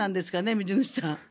水口さん。